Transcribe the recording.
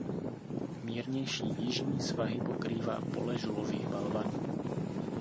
Mírnější jižní svahy pokrývá pole žulových balvanů.